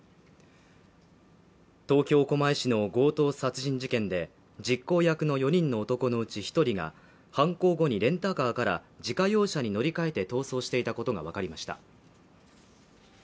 東京狛江市の強盗殺人事件で、実行役の４人の男のうち１人が犯行後にレンタカーから自家用車に乗り換えて逃走していたことがわかりました。